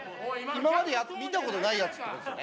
今まで見たことないやつってことですね